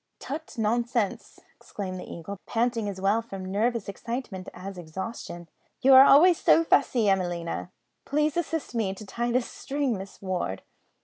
"Tut, nonsense!" exclaimed the Eagle, panting as well from nervous excitement as exhaustion; "you are always so fussy, Emelina. Please assist me to tie this string, Miss Ward."